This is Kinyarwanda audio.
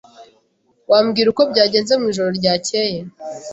Wambwira uko byagenze mwijoro ryakeye?